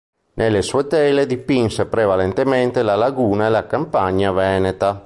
Nelle sue tele dipinse prevalentemente la laguna e la campagna veneta.